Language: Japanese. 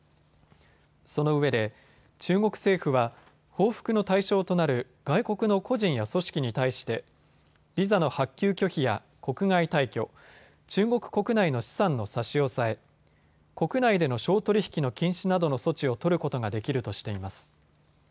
そのうえで、中国政府は報復の対象となる外国の個人や組織に対してビザの発給拒否や国外退去、中国国内の資産の差し押さえ、国内での商取引の禁止などの措置を取ることができるとしています。